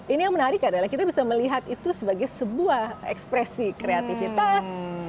ini yang menarik adalah kita bisa melihat itu sebagai sebuah ekspresi kreativitas